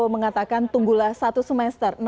mengatakan tunggulah satu semester